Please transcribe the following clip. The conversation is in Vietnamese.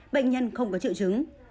bệnh nhân không có triệu chứng